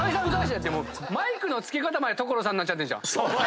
マイクの付け方まで所さんになっちゃってるじゃん。